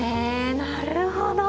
なるほど。